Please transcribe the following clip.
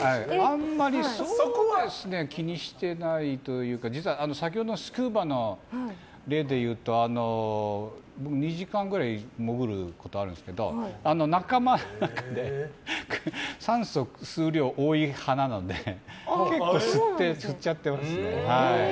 あんまりそこまで気にしてないというか実は先ほどのスキューバの例でいうと２時間ぐらい潜ることあるんですけど仲間の中で酸素を吸う量多い派なので結構吸っちゃってますね。